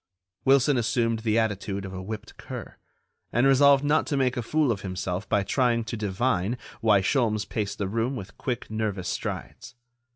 Wilson assumed the attitude of a whipped cur, and resolved not to make a fool of himself by trying to divine why Sholmes paced the room with quick, nervous strides.